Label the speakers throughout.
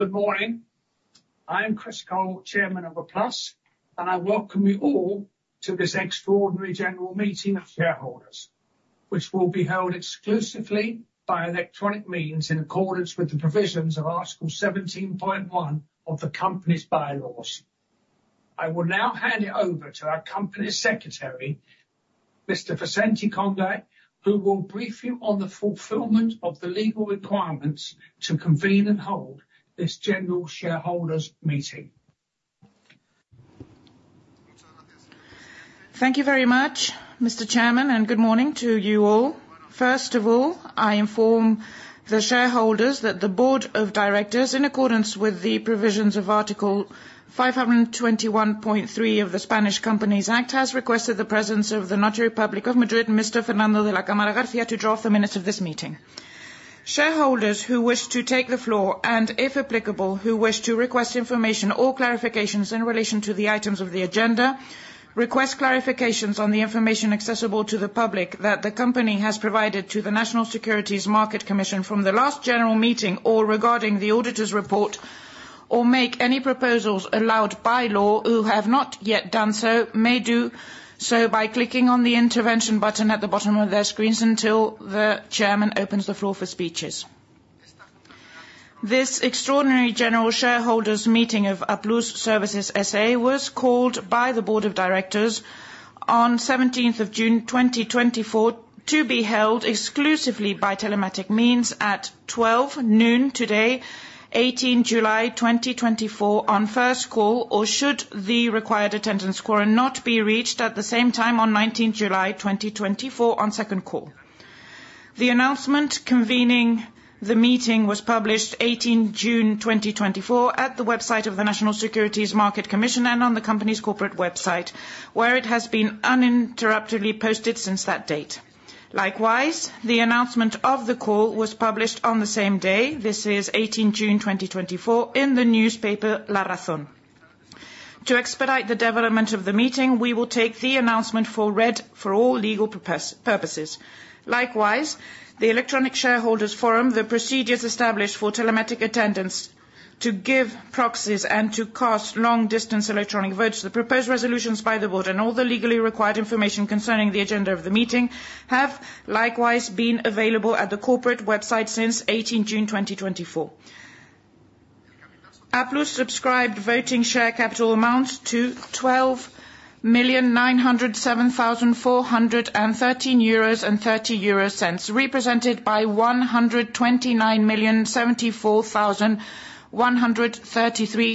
Speaker 1: Good morning. I'm Chris Cole, Chairman of Applus+, and I welcome you all to this Extraordinary General Shareholders Meeting, which will be held exclusively by electronic means in accordance with the provisions of Article 17.1 of the company's bylaws. I will now hand it over to our Company Secretary, Mr. Vicente Conde, who will brief you on the fulfillment of the legal requirements to convene and hold this general shareholders meeting.
Speaker 2: Thank you very much, Mr. Chairman, and good morning to you all. First of all, I inform the shareholders that the board of directors, in accordance with the provisions of Article 521.3 of the Spanish Companies Act, has requested the presence of the Notary Public of Madrid, Mr. Fernando de la Cámara García, to draft the minutes of this meeting. Shareholders who wish to take the floor, and if applicable, who wish to request information or clarifications in relation to the items of the agenda, request clarifications on the information accessible to the public that the company has provided to the National Securities Market Commission from the last general meeting, or regarding the auditor's report, or make any proposals allowed by law who have not yet done so, may do so by clicking on the intervention button at the bottom of their screens until the chairman opens the floor for speeches. This Extraordinary General Shareholders Meeting of Applus+ Services, S.A. was called by the Board of Directors on the 17th of June, 2024, to be held exclusively by telematic means, at 12:00 P.M. today, 18 July, 2024, on first call, or should the required attendance quorum not be reached at the same time, on 19th July, 2024 on second call. The announcement convening the meeting was published 18 June, 2024, at the website of the National Securities Market Commission and on the company's corporate website, where it has been uninterruptedly posted since that date. Likewise, the announcement of the call was published on the same day, this is 18th June, 2024, in the newspaper, La Razón. To expedite the development of the meeting, we will take the announcement as read for all legal purposes. Likewise, the electronic shareholders forum, the procedures established for telematic attendance to give proxies and to cast long-distance electronic votes, the proposed resolutions by the board, and all the legally required information concerning the agenda of the meeting, have likewise been available at the corporate website since 18 June 2024. Applus+ subscribed voting share capital amounts to 12,907,413.30 euros, represented by 129,074,133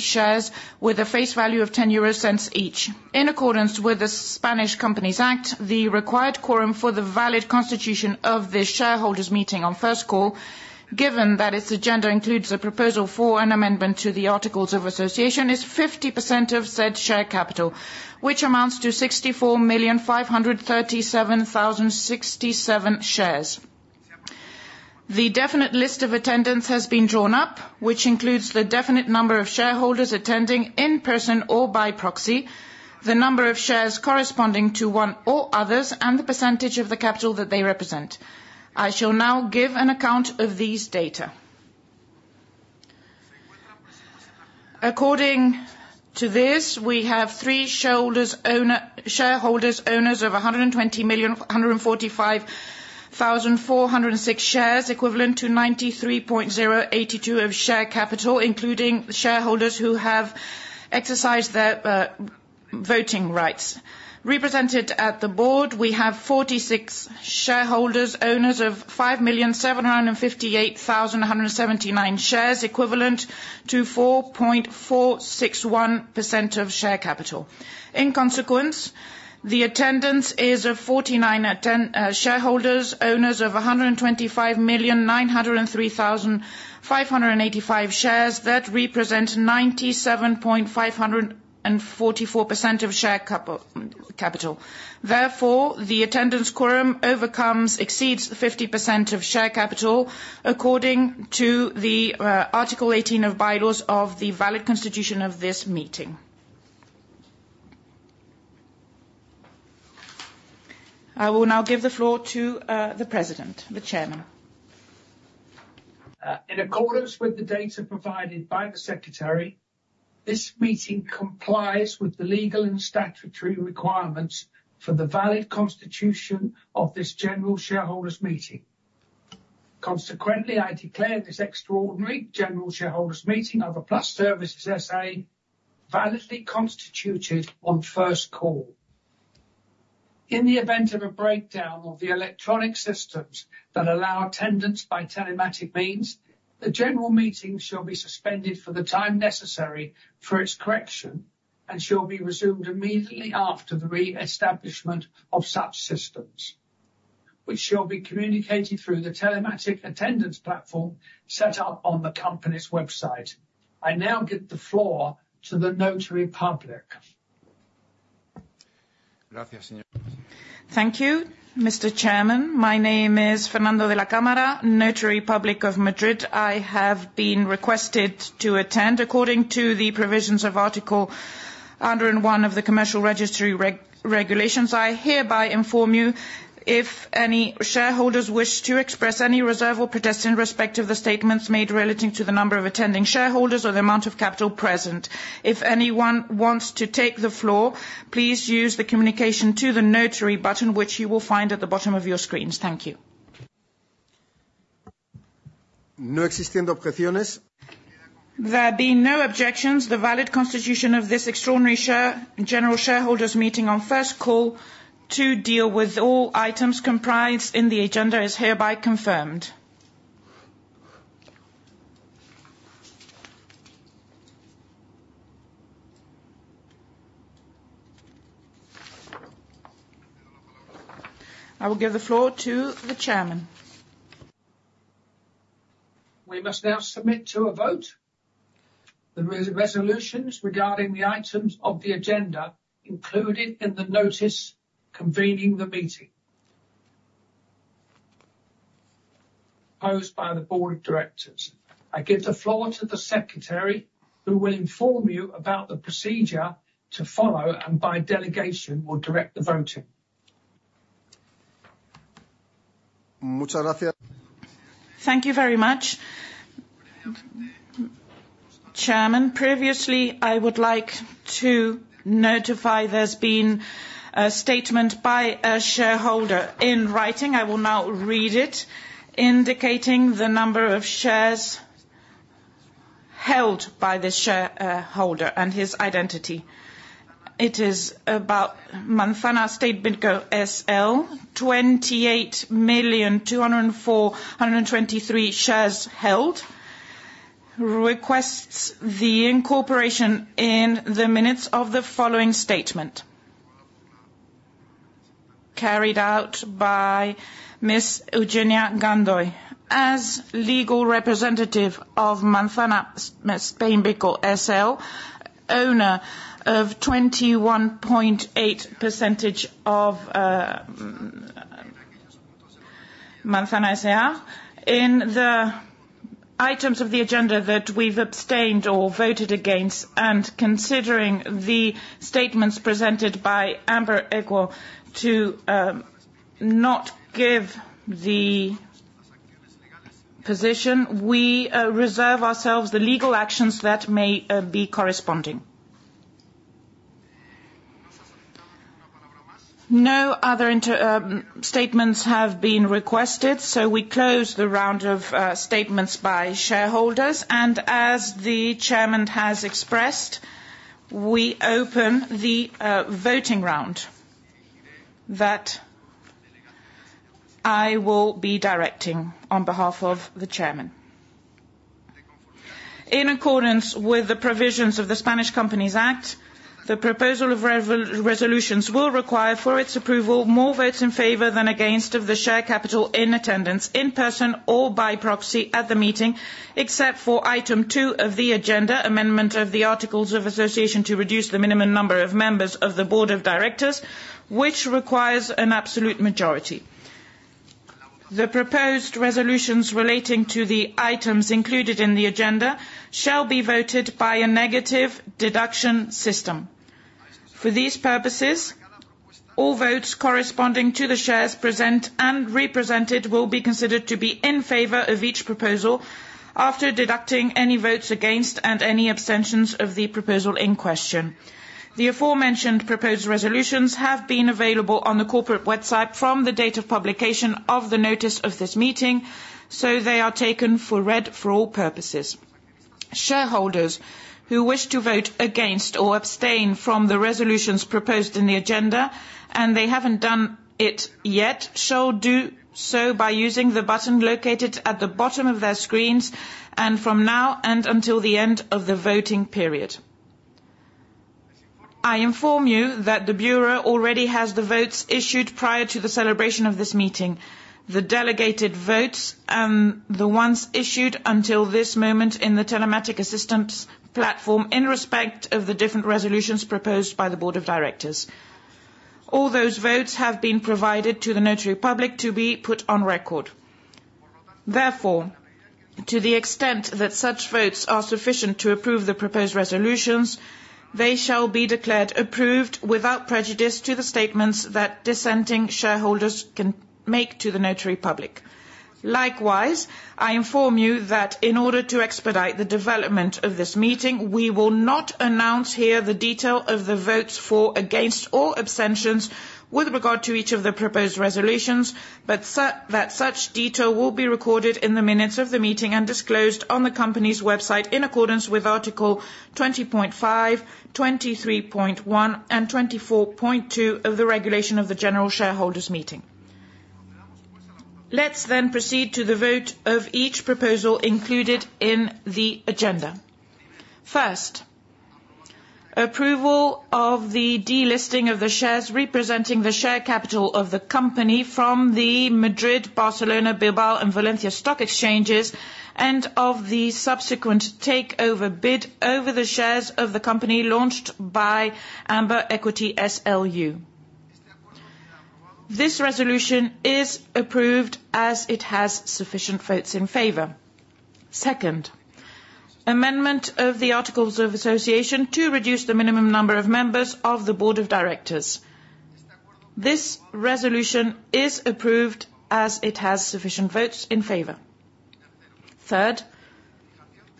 Speaker 2: shares, with a face value of 0.10 each. In accordance with the Spanish Companies Act, the required quorum for the valid constitution of the shareholders meeting on first call, given that its agenda includes a proposal for an amendment to the articles of association, is 50% of said share capital, which amounts to 64,537,067 shares. The definitive list of attendance has been drawn up, which includes the definitive number of shareholders attending in person or by proxy, the number of shares corresponding to one or others, and the percentage of the capital that they represent. I shall now give an account of these data. According to this, we have three shareholders owners of 120,145,406 shares, equivalent to 93.082% of share capital, including shareholders who have exercised their voting rights. Represented at the board, we have 46 shareholders, owners of 5,758,179 shares, equivalent to 4.461% of share capital. In consequence, the attendance is of 49 shareholders, owners of 125,903,585 shares, that represent 97.544% of share capital. Therefore, the attendance quorum exceeds 50% of share capital, according to Article 18 of the Bylaws for the valid constitution of this meeting. I will now give the floor to the president, the chairman.
Speaker 1: In accordance with the data provided by the secretary, this meeting complies with the legal and statutory requirements for the valid constitution of this general shareholders meeting. Consequently, I declare this extraordinary general shareholders meeting of Applus+ Services, S.A. validly constituted on first call. In the event of a breakdown of the electronic systems that allow attendance by telematic means, the general meeting shall be suspended for the time necessary for its correction, and shall be resumed immediately after the reestablishment of such systems, which shall be communicated through the telematic attendance platform set up on the company's website. I now give the floor to the Notary Public. Gracias, señior.
Speaker 3: Thank you, Mr. Chairman. My name is Fernando de la Cámara, Notary Public of Madrid. I have been requested to attend. According to the provisions of Article 101 of the Commercial Registry Regulations, I hereby inform you if any shareholders wish to express any reserve or protest in respect of the statements made relating to the number of attending shareholders or the amount of capital present. If anyone wants to take the floor, please use the communication to the notary button, which you will find at the bottom of your screens. Thank you.
Speaker 2: There being no objections, the valid constitution of this extraordinary general shareholders meeting on first call to deal with all items comprised in the agenda is hereby confirmed. I will give the floor to the chairman.
Speaker 1: We must now submit to a vote the resolutions regarding the items of the agenda, including in the notice convening the meeting, posed by the board of directors. I give the floor to the secretary, who will inform you about the procedure to follow, and by delegation, will direct the voting.
Speaker 2: Thank you very much, chairman. Previously, I would like to notify there's been a statement by a shareholder in writing, I will now read it, indicating the number of shares held by the shareholder and his identity. It is about Manzana Spain, S.L., 28,204,423 shares held, requests the incorporation in the minutes of the following statement carried out by Ms. Eugenia Gandoy. As legal representative of Manzana Spain, S.L., owner of 21.8% of Manzana S.A. In the items of the agenda that we've abstained or voted against, and considering the statements presented by Amber Equity to not give the position, we reserve ourselves the legal actions that may be corresponding. No other statements have been requested, so we close the round of statements by shareholders, and as the chairman has expressed, we open the voting round that I will be directing on behalf of the chairman. In accordance with the provisions of the Spanish Companies Act, the proposal of resolutions will require, for its approval, more votes in favor than against of the share capital in attendance, in person or by proxy at the meeting, except for item two of the agenda, amendment of the Articles of Association to reduce the minimum number of members of the board of directors, which requires an absolute majority. The proposed resolutions relating to the items included in the agenda shall be voted by a negative deduction system. For these purposes, all votes corresponding to the shares present and represented will be considered to be in favor of each proposal, after deducting any votes against and any abstentions of the proposal in question. The aforementioned proposed resolutions have been available on the corporate website from the date of publication of the notice of this meeting, so they are taken as read for all purposes. Shareholders who wish to vote against or abstain from the resolutions proposed in the agenda, and they haven't done it yet, shall do so by using the button located at the bottom of their screens, and from now and until the end of the voting period. I inform you that the bureau already has the votes issued prior to the celebration of this meeting, the delegated votes, and the ones issued until this moment in the telematic assistance platform in respect of the different resolutions proposed by the board of directors. All those votes have been provided to the Notary Public to be put on record. Therefore, to the extent that such votes are sufficient to approve the proposed resolutions, they shall be declared approved, without prejudice to the statements that dissenting shareholders can make to the Notary Public. Likewise, I inform you that in order to expedite the development of this meeting, we will not announce here the detail of the votes for, against, or abstentions with regard to each of the proposed resolutions, but that such detail will be recorded in the minutes of the meeting and disclosed on the company's website in accordance with Article 20.5, 23.1, and 24.2 of the Regulation of the General Shareholders Meeting. Let's then proceed to the vote of each proposal included in the agenda. First, approval of the delisting of the shares representing the share capital of the company from the Madrid, Barcelona, Bilbao, and Valencia stock exchanges, and of the subsequent takeover bid over the shares of the company launched by Amber EquityCo, S.L.U. This resolution is approved as it has sufficient votes in favor. Second, amendment of the Articles of Association to reduce the minimum number of members of the Board of Directors. This resolution is approved as it has sufficient votes in favor. Third,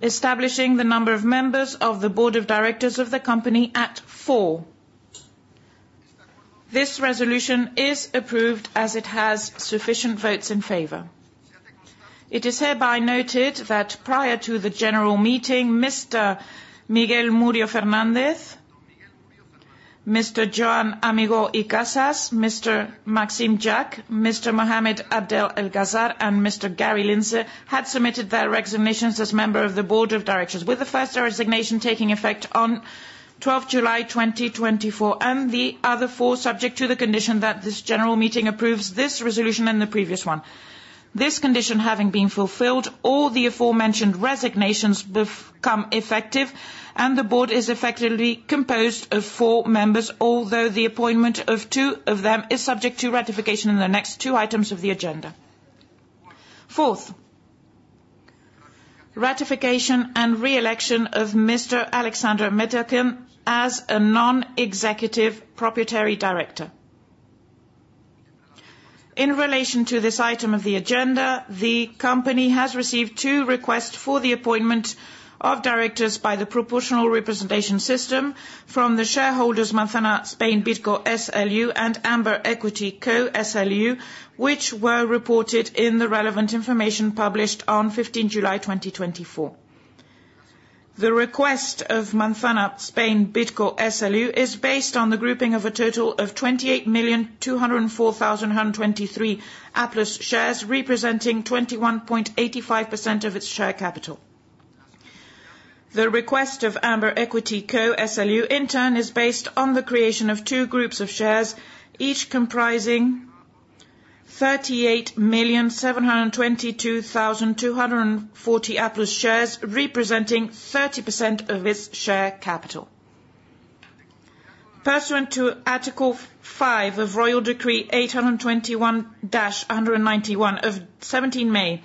Speaker 2: establishing the number of members of the Board of Directors of the company at four. This resolution is approved as it has sufficient votes in favor. It is hereby noted that prior to the general meeting, Mr. Miguel Murio Fernandez, Mr. Joan Amigó i Casas, Mr. Maxime Jacqz, Mr. Mohamed Adel El-Gazzar, and Mr. Gary Lindsay, had submitted their resignations as member of the Board of Directors, with the first resignation taking effect on 12th July 2024, and the other four, subject to the condition that this general meeting approves this resolution and the previous one. This condition having been fulfilled, all the aforementioned resignations become effective, and the board is effectively composed of four members, although the appointment of two of them is subject to ratification in the next two items of the agenda. Fourth, ratification and re-election of Mr. Alexander Metelkin as a non-executive proprietary director. In relation to this item of the agenda, the company has received two requests for the appointment of directors by the proportional representation system from the shareholders, Manzana Spain Bidco, S.L.U., and Amber EquityCo, S.L.U., which were reported in the relevant information published on 15th July 2024. The request of Manzana Spain Bidco, S.L.U., is based on the grouping of a total of 28,204,123 Applus+ shares, representing 21.85% of its share capital. The request of Amber EquityCo, S.L.U., in turn, is based on the creation of two groups of shares, each comprising 38,722,240 Applus+ shares, representing 30% of its share capital. Pursuant to Article 5 of Royal Decree 821/1991 of 17th May,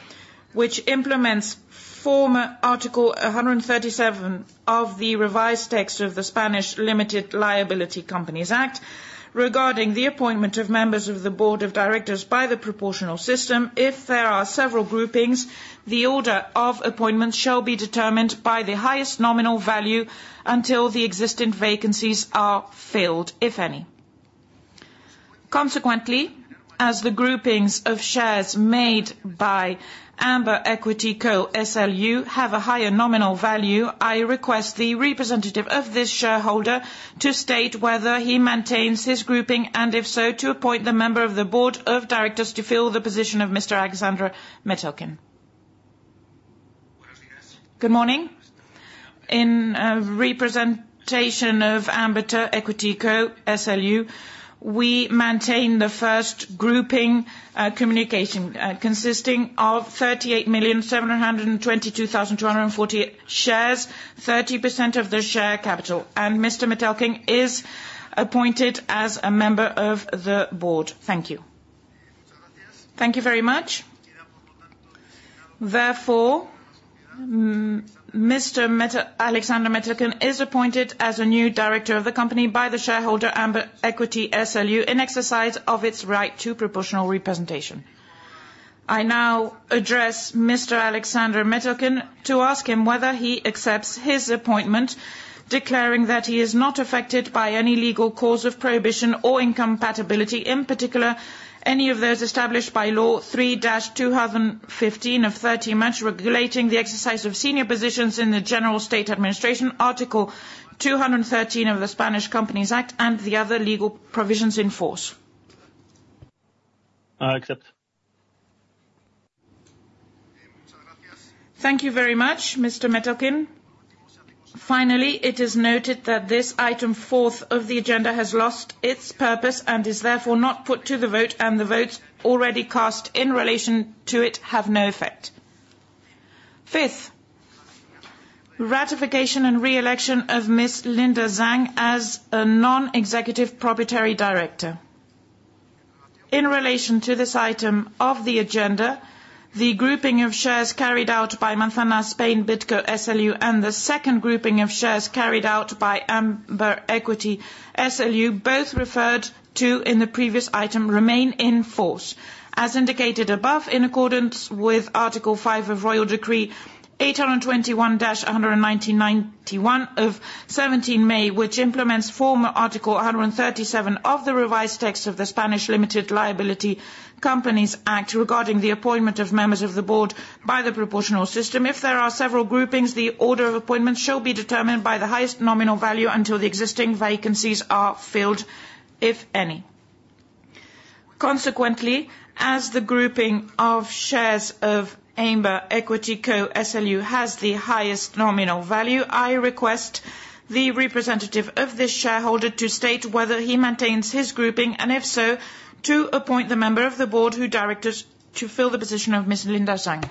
Speaker 2: which implements former Article 137 of the revised text of the Spanish Limited Liability Companies Act, regarding the appointment of members of the board of directors by the proportional system. If there are several groupings, the order of appointment shall be determined by the highest nominal value until the existing vacancies are filled, if any. Consequently, as the groupings of shares made by Amber EquityCo, S.L.U., have a higher nominal value, I request the representative of this shareholder to state whether he maintains his grouping, and if so, to appoint the member of the board of directors to fill the position of Mr. Alexander Metelkin. Good morning. In representation of Amber EquityCo, S.L.U., we maintain the first grouping communication consisting of 38,722,240 shares, 30% of the share capital, and Mr. Metelkin is appointed as a member of the board. Thank you. Thank you very much. Therefore, Mr. Alexander Metelkin is appointed as a new director of the company by the shareholder Amber EquityCo, S.L.U., in exercise of its right to proportional representation. I now address Mr. Alexander Metelkin to ask him whether he accepts his appointment, declaring that he is not affected by any legal cause of prohibition or incompatibility, in particular, any of those established by Law 3-2015 of 13 March, regulating the exercise of senior positions in the General State Administration, Article 213 of the Spanish Companies Act, and the other legal provisions in force.
Speaker 4: I accept.
Speaker 2: Thank you very much, Mr. Metelkin. Finally, it is noted that this item, fourth of the agenda, has lost its purpose and is therefore not put to the vote, and the votes already cast in relation to it have no effect. Fifth, ratification and re-election of Ms. Linda Zhang as a non-executive proprietary director. In relation to this item of the agenda, the grouping of shares carried out by Manzana Spain Bidco, S.L.U., and the second grouping of shares carried out by Amber EquityCo, S.L.U., both referred to in the previous item, remain in force. As indicated above, in accordance with Article 5 of Royal Decree 821-1991 of 17th May, which implements former Article 137 of the revised text of the Spanish Limited Liability Companies Act, regarding the appointment of members of the board by the proportional system. If there are several groupings, the order of appointment shall be determined by the highest nominal value until the existing vacancies are filled, if any. Consequently, as the grouping of shares of Amber EquityCo, S.L.U., has the highest nominal value, I request the representative of this shareholder to state whether he maintains his grouping, and if so, to appoint the member of the board who directors to fill the position of Ms. Linda Zhang.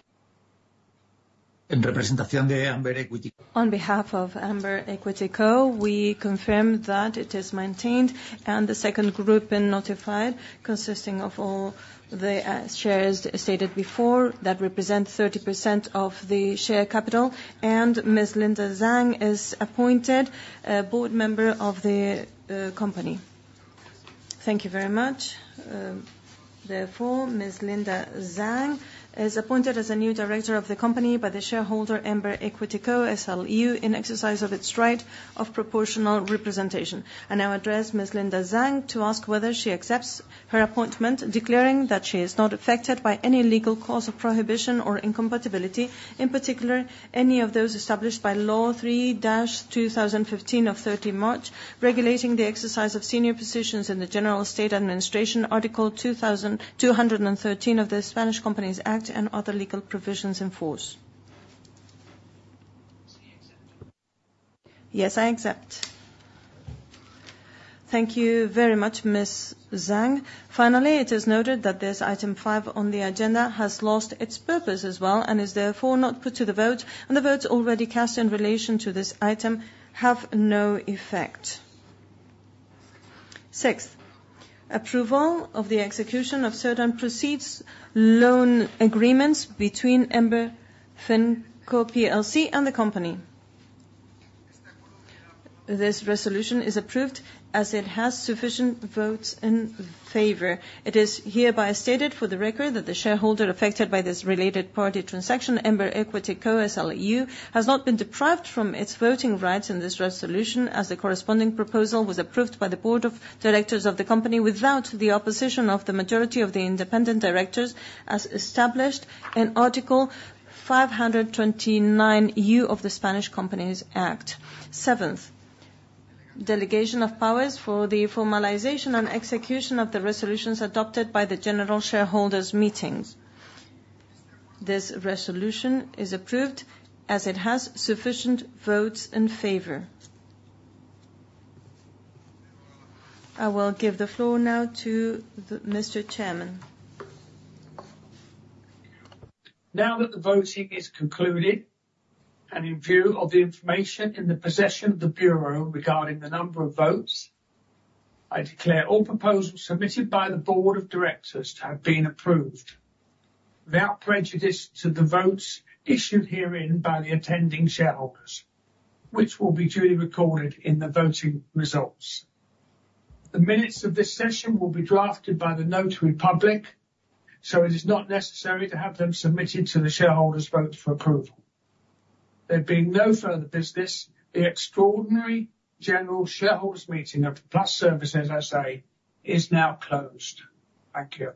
Speaker 5: In representation of Amber Equity.
Speaker 6: On behalf of Amber EquityCo, we confirm that it is maintained, and the second grouping notified, consisting of all the shares stated before, that represent 30% of the share capital, and Ms. Linda Zhang is appointed a board member of the company. Thank you very much. Therefore, Ms. Linda Zhang is appointed as a new director of the company by the shareholder, Amber EquityCo, S.L.U., in exercise of its right of proportional representation. I now address Ms. Linda Zhang to ask whether she accepts her appointment, declaring that she is not affected by any legal cause of prohibition or incompatibility, in particular, any of those established by Law 3-2015 of 13 March, Regulating the Exercise of Senior Positions in the General State Administration, Article 213 of the Spanish Companies Act and other legal provisions in force. She accepts. Yes, I accept. Thank you very much, Ms. Zhang. Finally, it is noted that this item five on the agenda has lost its purpose as well and is therefore not put to the vote, and the votes already cast in relation to this item have no effect. Sixth, approval of the execution of certain proceeds loan agreements between Amber Finco plc and the company. This resolution is approved as it has sufficient votes in favor. It is hereby stated for the record, that the shareholder affected by this related party transaction, Amber EquityCo, S.L.U., has not been deprived from its voting rights in this resolution, as the corresponding proposal was approved by the board of directors of the company, without the opposition of the majority of the independent directors, as established in Article 529 U of the Spanish Companies Act. Seventh, delegation of powers for the formalization and execution of the resolutions adopted by the general shareholders meetings. This resolution is approved as it has sufficient votes in favor. I will give the floor now to the Mr. Chairman.
Speaker 1: Now that the voting is concluded, and in view of the information in the possession of the bureau regarding the number of votes, I declare all proposals submitted by the board of directors to have been approved, without prejudice to the votes issued herein by the attending shareholders, which will be duly recorded in the voting results. The minutes of this session will be drafted by the notary public, so it is not necessary to have them submitted to the shareholders' votes for approval. There being no further business, the Extraordinary General Shareholders Meeting of Applus+ Services, S.A., is now closed. Thank you.